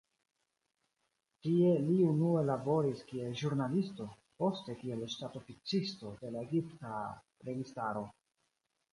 Tie li unue laboris kiel ĵurnalisto, poste kiel ŝtatoficisto de la egipta registaro.